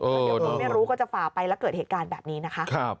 แล้วเดี๋ยวคนไม่รู้ก็จะฝ่าไปแล้วเกิดเหตุการณ์แบบนี้นะคะ